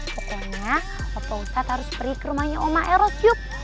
pokoknya opa ustad harus pergi ke rumahnya woma eros yuk